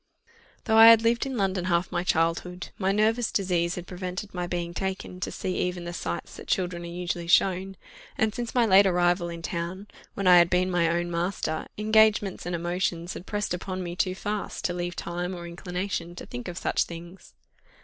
Though I had lived in London half my childhood, my nervous disease had prevented my being taken to see even the sights that children are usually shown; and since my late arrival in town, when I had been my own master, engagements and emotions had pressed upon me too fast to leave time or inclination to think of such things.